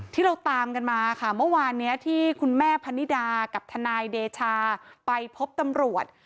ที่เราตามกันมาค่ะเมื่อวานนี้ที่คุณแม่พนิดากับทนายเดชาไปพบตำรวจ